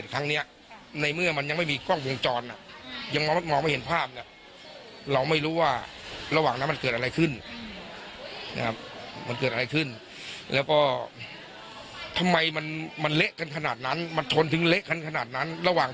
เกี่ยวกับรถที่ชนหรอ